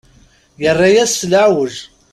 Yerra-yas s leɛweǧ.